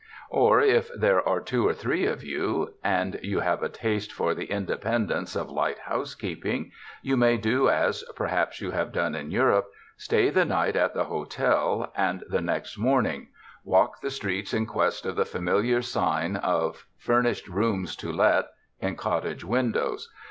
Or, if there are two or three of you and you have a taste for the independence of light housekeeping, you may do as, perhaps, you have done in Europe, stay the night at the hotel and the next morning, walk the streets in quest of the familiar sign of 224 TOURIST TOWNS ''Furnished Rooms to Let" in cottage windows.